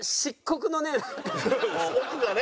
奥がね。